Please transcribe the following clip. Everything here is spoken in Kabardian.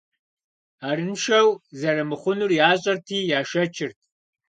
Арыншэу зэрымыхъунур ящӏэрти яшэчырт.